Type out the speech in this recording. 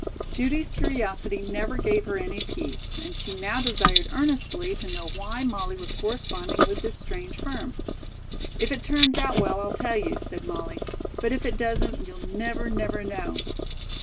Judy's curiosity never gave her any peace, and she now desired earnestly to know why Molly was corresponding with this strange firm. "If it turns out well, I'll tell you," said Molly; "but if it doesn't, you'll never, never know."